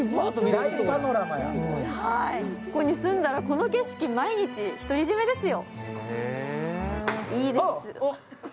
ここに住んだら、この景色、毎日独り占めですよ。